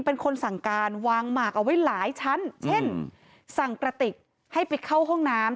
เป็นคนสั่งการวางหมากเอาไว้หลายชั้นเช่นสั่งกระติกให้ไปเข้าห้องน้ำ